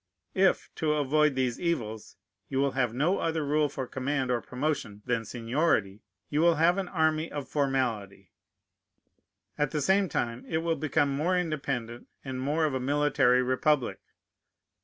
If, to avoid these evils, you will have no other rule for command or promotion than seniority, you will have an army of formality; at the same time it will become more independent and more of a military republic.